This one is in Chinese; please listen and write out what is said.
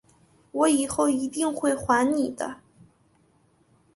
我以后一定会还你的